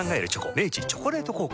明治「チョコレート効果」